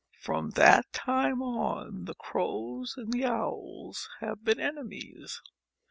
From that time on the Crows and the Owls have been enemies.